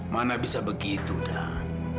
mana bisa begitu dan